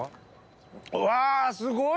うわすごい！